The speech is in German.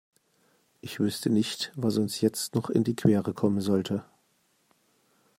Ich wüsste nicht, was uns jetzt noch in die Quere kommen sollte.